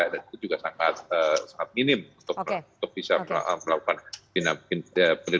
dan itu juga sangat minim untuk bisa melakukan